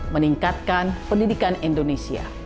meningkatkan pendidikan indonesia